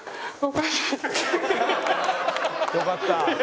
「よかった」